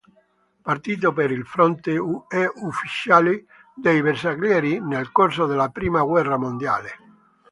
Partito per il fronte è ufficiale dei Bersaglieri nel corso della prima guerra mondiale.